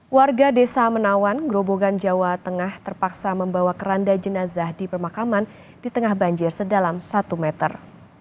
warga desa menawan grobogan jawa tengah terpaksa membawa keranda jenazah di permakaman di tengah banjir sedalam satu meter